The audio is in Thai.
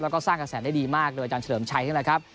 แล้วก็สร้างกระแสได้ดีมากเลยอาจารย์เฉลิมชัยนี่แหละครับ